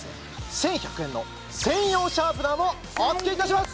１１００円の専用シャープナーもお付けいたします